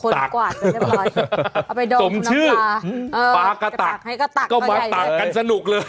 ตักต้มชื่อป๊ากกระตักก็มาตักกันสนุกเลย